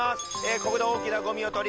ここで大きなゴミを取り